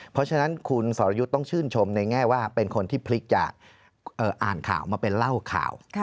เพราะฉะนั้นคุณสรยุทธ์ต้องชื่นชมในแง่ว่าเป็นคนที่พลิกจะอ่านข่าวมาเป็นเล่าข่าว